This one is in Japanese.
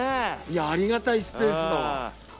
ありがたいスペースだわ。